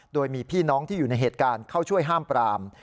โดยมีพี่น้องที่อยู่ในเหตุการณ์เข้าช่วยห้ามปราม